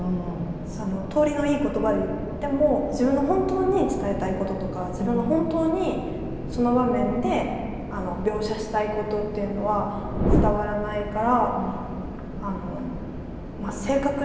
通りのいい言葉で言っても自分の本当に伝えたいこととか自分が本当にその場面で描写したいことっていうのは伝わらないから。